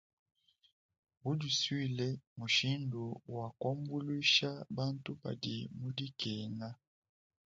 Budisuile mmushindu wa kuambuluisha bantu badi mu dikenga.